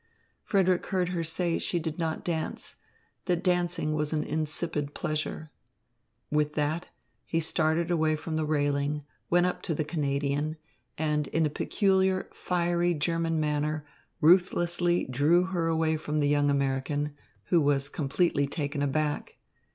Frederick heard her say she did not dance, that dancing was an insipid pleasure. With that, he started away from the railing, went up to the Canadian, and in a peculiar, fiery German manner ruthlessly drew her away from the young American, who was completely taken aback.